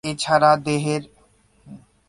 এছাড়া দেহের সর্বত্র রঙ নীলচে বেগুনি।